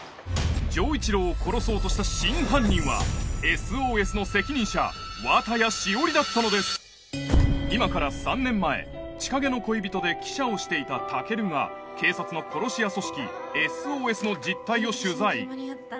丈一郎を殺そうとした真犯人は「ＳＯＳ」の責任者綿谷詩織だったのです今から３年前千景の恋人で記者をしていた武尊が警察の殺し屋組織「ＳＯＳ」の実態を取材